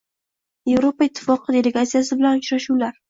Yevropa Ittifoqi delegatsiyasi bilan uchrashuvlarng